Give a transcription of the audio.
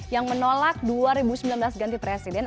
yang menolak dua ribu sembilan belas ganti presiden